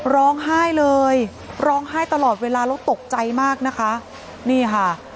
ร้องไห้เลยร้องไห้ตลอดเวลาแล้วตกใจมากนะคะนี่ค่ะ